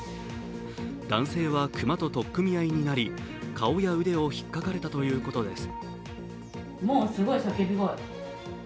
男性は熊と取っ組み合いになり顔や腕をひっかかれたということです。